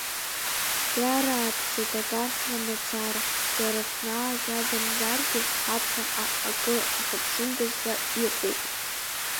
Иарааԥсеит акаршәра мацара, џьара хә-наак иадамзаргьы ҳаԥхьаҟа акы ҳахьыԥшындаз ҳәа иҟоуп.